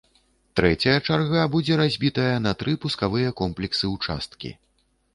Трэцяя чарга будзе разбітая на тры пускавыя комплексы-ўчасткі.